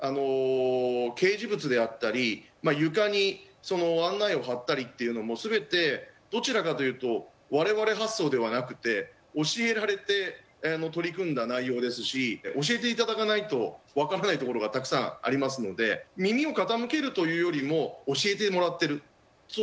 掲示物であったりまあ床にその案内を張ったりっていうのも全てどちらかというと我々発想ではなくて教えられて取り組んだ内容ですし教えていただかないと分からないところがたくさんありますので耳を傾けるというよりも教えてもらっているそう